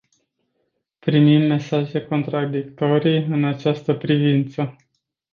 Primim mesaje contradictorii în această privință.